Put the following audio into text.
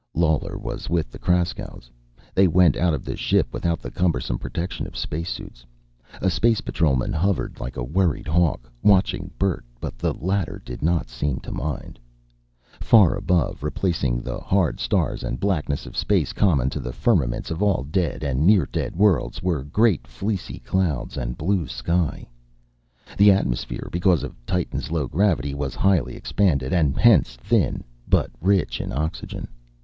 Lawler was with the Kraskows. They went out of the ship without the cumbersome protection of spacesuits. A Space Patrolman hovered like a worried hawk, watching Bert, but the latter seemed not to mind. Far above, replacing the hard stars and blackness of space, common to the firmaments of all dead and near dead worlds, were great fleecy clouds and blue sky. The atmosphere, because of Titan's low gravity, was highly expanded and hence thin, but rich in oxygen.